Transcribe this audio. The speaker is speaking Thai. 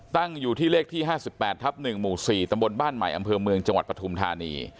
ตั้งอยู่ที่เลขที่ห้าสิบแปดทัพหนึ่งหมู่สี่ตำบลบ้านใหม่อำเพิวเมืองจังหวัดปฐุมธานี